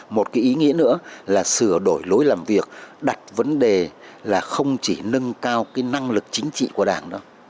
một cái ý nghĩa nữa là sửa đổi lối làm việc đặt vấn đề là không chỉ nâng cao cái năng lực chính trị của đảng đó